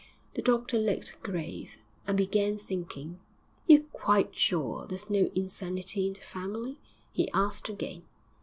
The doctor looked grave, and began thinking. 'You're quite sure there's no insanity in the family?' he asked again.